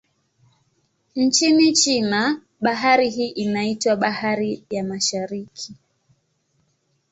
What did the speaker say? Nchini China, bahari hii inaitwa Bahari ya Mashariki.